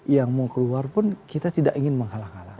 yang mau keluar pun kita tidak ingin menghalang halangi